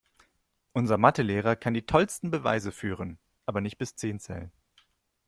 Unser Mathe-Lehrer kann die tollsten Beweise führen, aber nicht bis zehn zählen.